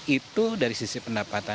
itu dari sisi pendapatan